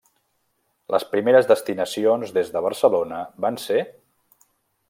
Les primeres destinacions des de Barcelona van ser: